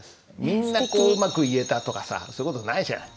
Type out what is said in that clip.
みんなこううまく言えたとかさそういう事ないじゃない。